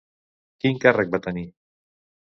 Quin càrrec va tenir?